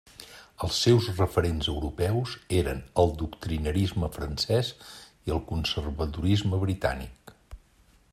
Els seus referents europeus eren el doctrinarisme francès i el conservadorisme britànic.